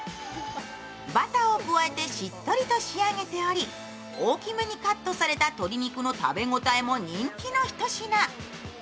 バターを加えてしっとりと仕上げており、大きめにカットされた鶏肉の食べ応えも人気の一品。